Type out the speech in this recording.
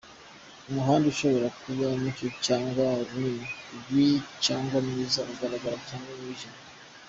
Umuhanda ushobora kuba muto cyangwa munini,,ibi cyangwa mwiza, ugaragara cyangwa wijimye.